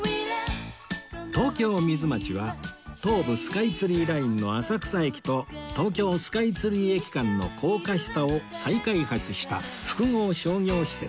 東京ミズマチは東武スカイツリーラインの浅草駅ととうきょうスカイツリー駅間の高架下を再開発した複合商業施設